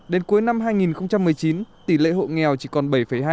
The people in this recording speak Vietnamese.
đến cuối năm hai nghìn một mươi chín tỷ lệ hộ nghèo chỉ còn bảy hai